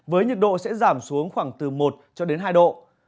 với nhiệt độ sẽ giảm xuống khoảng từ một hai độ